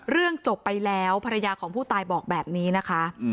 เรื่องจบไปแล้วภรรยาของผู้ตายบอกแบบนี้นะคะ